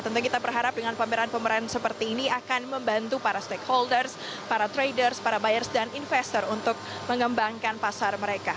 tentu kita berharap dengan pameran pameran seperti ini akan membantu para stakeholders para traders para buyers dan investor untuk mengembangkan pasar mereka